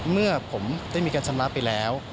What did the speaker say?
เมื่อผมได้มีการชำระไปแล้ว